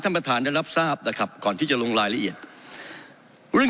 ประธานได้รับทราบนะครับก่อนที่จะลงรายละเอียดเรื่อง